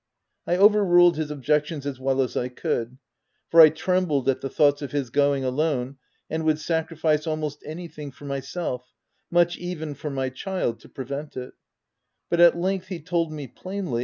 I overruled his objections as well as I could, for I trembled at the thoughts of his going alone, and would sacrifice almost any thing for myself, much even for my child, to prevent it ; but at length he told me, plainly